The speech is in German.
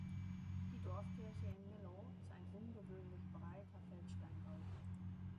Die Dorfkirche in Milow ist ein ungewöhnlich breiter Feldsteinbau.